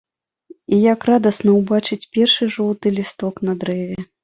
І як радасна ўбачыць першы жоўты лісток на дрэве.